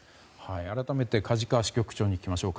改めて梶川支局長に聞きます。